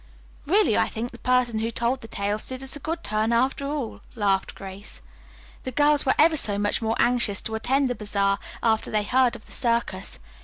"Really, I think the person who told the tales did us a good turn after all," laughed Grace. "The girls were ever so much more anxious to attend the bazaar after they heard of the circus.